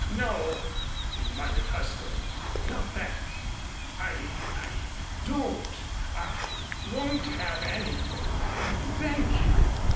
"No!" he muttered huskily. "Not that I I don't I won't have anything thank you."